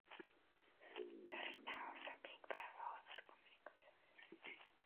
"The Return of the Pink Panther" was a commercially successful release.